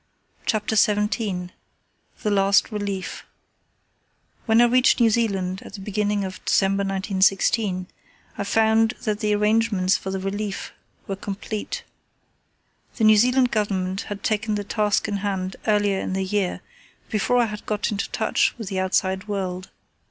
CHAPTER XVII THE LAST RELIEF When I reached New Zealand at the beginning of December 1916, I found that the arrangements for the relief were complete. The New Zealand Government had taken the task in hand earlier in the year, before I had got into touch with the outside world.